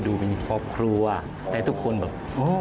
และก็ให้ดูเป็นครอบครัวให้ทุกคนแบบ